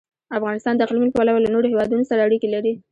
افغانستان د اقلیم له پلوه له نورو هېوادونو سره اړیکې لري.